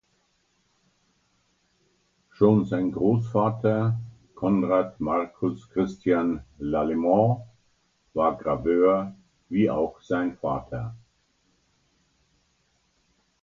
Schon sein Großvater Konrad Marcus Christian L’Allemand war Graveur wie auch sein Vater.